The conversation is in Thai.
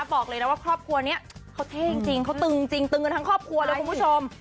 บอกเลยนะว่าครอบครัวนี้เขาเท่จริงเขาตึงจริงตึงกันทั้งครอบครัวเลยคุณผู้ชม